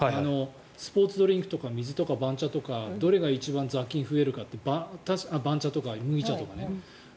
スポーツドリンクとか水とか番茶とかどれが一番雑菌が増えるかって。